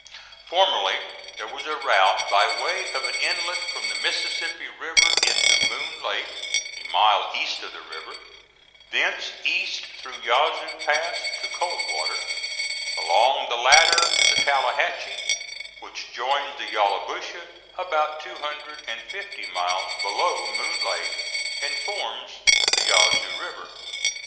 Formerly there was a route by way of an inlet from the Mississippi River into Moon Lake, a mile east of the river, thence east through Yazoo Pass to Coldwater, along the latter to the Tallahatchie, which joins the Yallabusha about two hundred and fifty miles below Moon Lake and forms the Yazoo River.